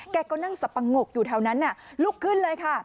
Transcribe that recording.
แกก็นั่งสับปะงกอยู่แถวนั้นลุกขึ้นเลยค่ะ